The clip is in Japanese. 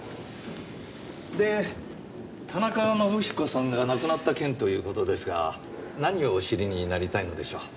で田中伸彦さんが亡くなった件という事ですが何をお知りになりたいのでしょう？